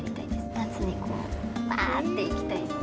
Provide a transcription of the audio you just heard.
夏にこう、うわー！って行きたいです。